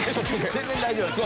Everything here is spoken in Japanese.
全然大丈夫です。